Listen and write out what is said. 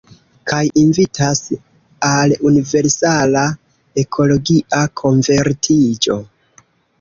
Kaj invitas al universala ekologia konvertiĝo.